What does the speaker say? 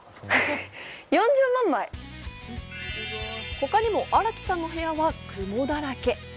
他にも荒木さんの部屋は雲だらけ。